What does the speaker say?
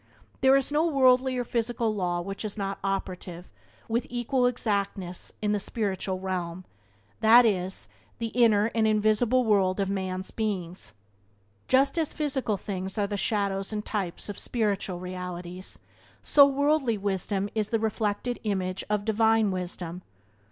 There is no worldly or physical law which is not operative, with equal exactness, in the spiritual realm — that is, the inner and invisible world of man's beings. Just as physical things are the shadows and types, of spiritual realities so worldly wisdom is the reflected image of Divine Wisdom.